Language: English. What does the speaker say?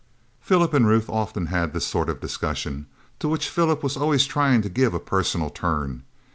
Philip and Ruth often had this sort of discussion, to which Philip was always trying to give a personal turn.